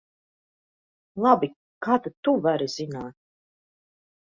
Labi, kā tad tu vari zināt?